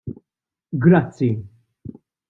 Grazzi.